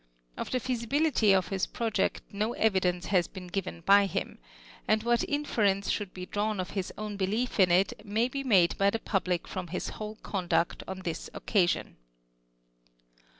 Of the feasibility of liis project, no evidence lias been given by iiim; and what inference should be drawn of his osvn belief in it may be made by the public from Ids whole conduct on this occ.ision.